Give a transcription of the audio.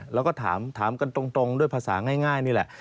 แล้วก็ถามกันตรงด้วยภาษาง่ายนี่แหละ